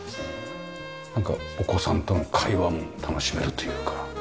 なんかお子さんとの会話も楽しめるというか。